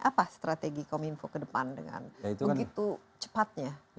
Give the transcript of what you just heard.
apa strategi kominfo ke depan dengan begitu cepatnya